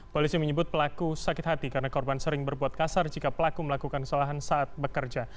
polisi menyebut pelaku sakit hati karena korban sering berbuat kasar jika pelaku melakukan kesalahan saat bekerja